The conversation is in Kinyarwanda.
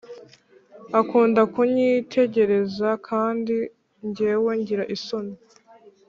Akunda kunyitegereza kandi njyewe ngira isoni